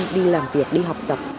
đi làm việc đi học tập